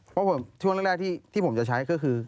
เพราะผมช่วงแรกที่ผมจะใช้ก็คือ